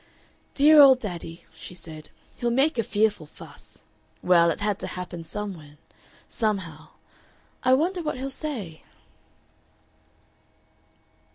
"Dear old Daddy," she said, "he'll make a fearful fuss. Well, it had to happen somewhen.... Somehow. I wonder what he'll say?"